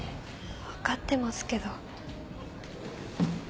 分かってますけど。